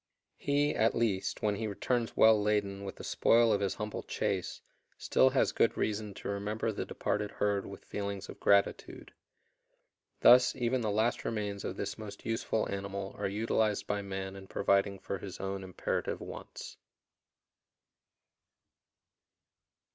He, at least, when he returns well laden with the spoil of his humble chase, still has good reason to remember the departed herd with feelings of gratitude. Thus even the last remains of this most useful animal are utilized by man in providing for his own imperative wants.